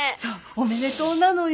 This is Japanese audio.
おめでとうなのよ。